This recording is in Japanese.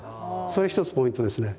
それ一つポイントですね。